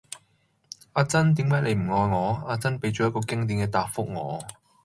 阿珍,點解你唔愛我?阿珍俾咗一個經典既答覆我